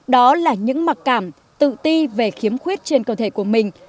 đó là những mặc cảm tự ti về khiếm khuyết trên cơ thể của mình